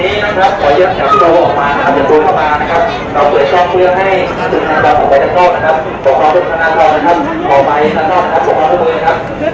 มุมการก็แจ้งแล้วเข้ากลับมานะครับ